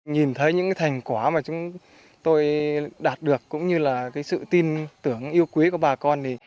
nhìn thấy những thành quả mà chúng tôi đạt được cũng như là sự tin tưởng yêu quý của bà con